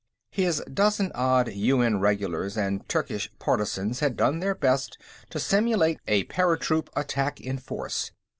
His dozen odd UN regulars and Turkish partisans had done their best to simulate a paratroop attack in force.